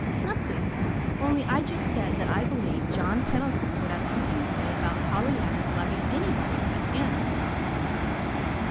"Nothing; only I just said that I believed John Pendleton would have something to say about Pollyanna's loving anybody but him."